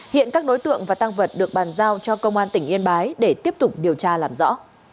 hiện các đối tượng và tăng vật được bàn giao cho công an tỉnh yên bái để tiếp tục điều tra làm rõ